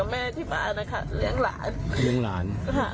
ไม่มีปัญหากับใครเลย